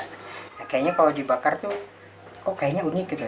kayaknya kalau dibakar tuh kok kayaknya unik gitu